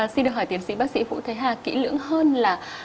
xin được hỏi tiến sĩ bác sĩ vũ thế hà kỹ lưỡng hơn là